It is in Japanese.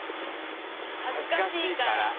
はずかしいから。